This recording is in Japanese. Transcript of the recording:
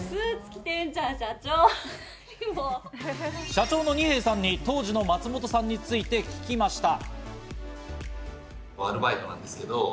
社長の二瓶さんに当時の松本さんについて聞きました。